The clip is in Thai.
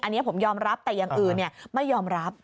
อันนี้ผมยอมรับแต่อย่างอื่นไม่ยอมรับ